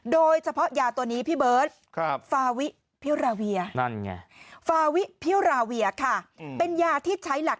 โดยเฉพาะยาตัวนี้พี่เบิร์ตฟาวิพิลาเวียค่ะเป็นยาที่ใช้หลัก